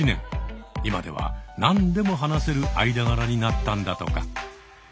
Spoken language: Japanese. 今では何でも話せる間柄になったんだとか。